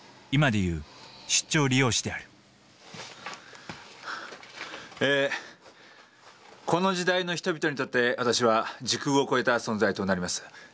今で言う出張理容師であるこの時代の人々にとって私は時空を超えた存在となります。